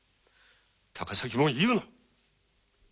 高崎もう言うな。